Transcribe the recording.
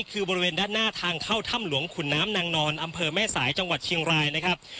คือบริเวณด้านหน้าทางเข้าถ้ำหลวงขุนน้ำนางนอนอำเภอแม่สายจังหวัดเชียงรายนะครับ